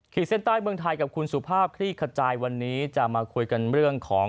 เส้นใต้เมืองไทยกับคุณสุภาพคลี่ขจายวันนี้จะมาคุยกันเรื่องของ